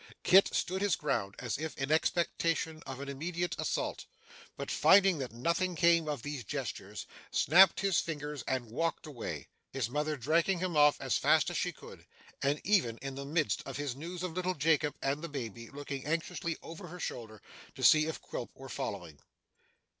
Kit stood his ground as if in expectation of an immediate assault, but finding that nothing came of these gestures, snapped his fingers and walked away; his mother dragging him off as fast as she could, and, even in the midst of his news of little Jacob and the baby, looking anxiously over her shoulder to see if Quilp were following.